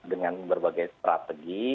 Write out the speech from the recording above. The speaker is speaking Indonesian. dengan berbagai strategi